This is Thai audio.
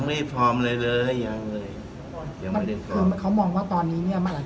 ไม่ได้ทำหรอกเนี่ย